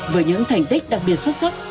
với những thành tích đặc biệt xuất sắc